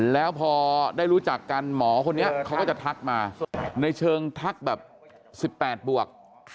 แล้วพอได้รู้จักกันหมอคนนี้เขาก็จะทักมาในเชิงทักแบบ๑๘บวก